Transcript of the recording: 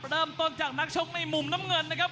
เริ่มต้นจากนักชกในมุมน้ำเงินนะครับ